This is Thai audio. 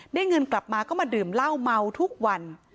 เงินกลับมาก็มาดื่มเหล้าเมาทุกวัน